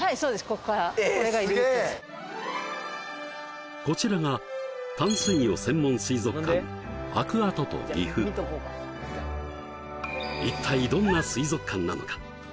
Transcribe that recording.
ここからこちらが淡水魚専門水族館アクア・トトぎふ一体どんな水族館なのか？